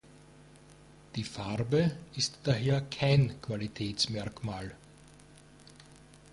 Die Farbe ist daher kein Qualitätsmerkmal.